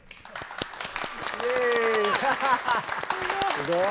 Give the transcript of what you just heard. すごい。